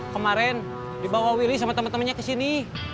kemarin dibawa willy sama temen temennya ke sibuk